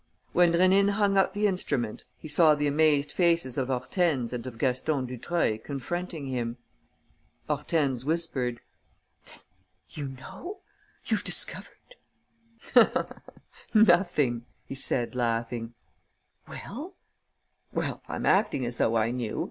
When Rénine hung up the instrument, he saw the amazed faces of Hortense and of Gaston Dutreuil confronting him. Hortense whispered: "Then you know? You've discovered ...?" "Nothing," he said, laughing. "Well?" "Well, I'm acting as though I knew.